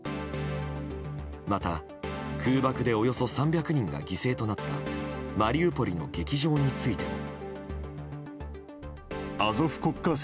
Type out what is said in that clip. また、空爆でおよそ３００人が犠牲となったマリウポリの劇場についても。